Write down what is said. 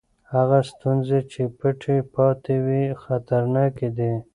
هغه ستونزې چې پټې پاتې وي خطرناکې دي.